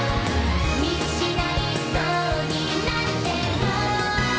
「見失いそうになっても」